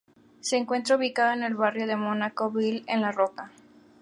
Se encuentra ubicado en el barrio de Monaco-Ville en la Roca.